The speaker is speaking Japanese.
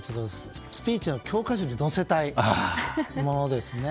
スピーチの教科書に載せたいです。